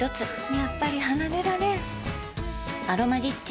やっぱり離れられん「アロマリッチ」